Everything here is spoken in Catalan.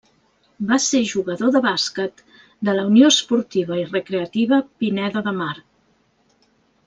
Va ser jugador de bàsquet de la Unió Esportiva i Recreativa Pineda de Mar.